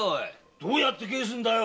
どうやって返すんだよ？